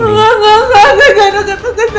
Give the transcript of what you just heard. enggak enggak enggak